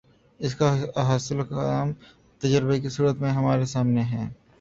اس کا حاصل خام تجزیے کی صورت میں ہمارے سامنے ہے۔